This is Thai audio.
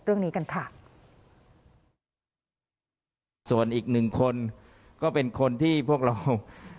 เรื่องนี้กันค่ะส่วนอีกหนึ่งคนก็เป็นคนที่พวกเรา